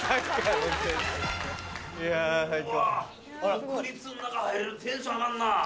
国立の中入れるテンション上がるな！